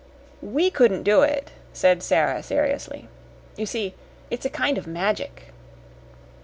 "WE couldn't do it," said Sara, seriously. "You see, it's a kind of magic."